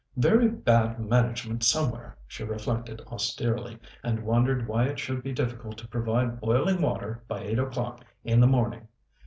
"Very bad management somewhere," she reflected austerely, and wondered why it should be difficult to provide boiling water by eight o'clock in the morning.